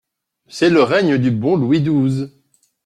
C'est le règne du bon Louis douze.